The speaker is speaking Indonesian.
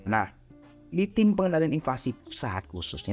nah di tim pengendalian inflasi pusat khususnya